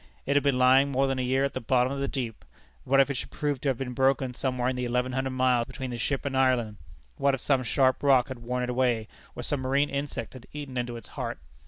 It had been lying more than a year at the bottom of the deep. What if it should prove to have been broken somewhere in the eleven hundred miles between the ship and Ireland? What if some sharp rock had worn it away, or some marine insect had eaten into its heart?